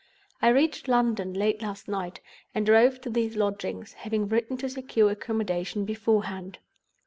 I reached London late last night, and drove to these lodgings, having written to secure accommodation beforehand.